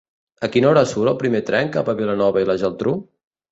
A quina hora surt el primer tren cap a Vilanova i la Geltrú?